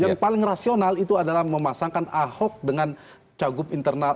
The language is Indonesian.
yang paling rasional itu adalah memasangkan ahok dengan cagup internal